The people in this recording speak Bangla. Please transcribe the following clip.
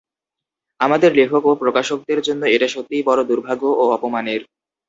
আমাদের লেখক ও প্রকাশকদের জন্য এটা সত্যিই বড় দুর্ভাগ্য ও অপমানের।